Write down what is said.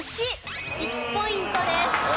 １。１ポイントです。